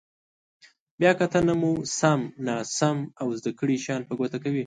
بیا کتنه مو سم، ناسم او زده کړي شیان په ګوته کوي.